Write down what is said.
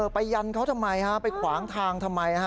ยันเขาทำไมไปขวางทางทำไม